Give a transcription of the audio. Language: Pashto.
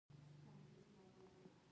کارلوس سلایم یو تکړه او هدفمند انسان و.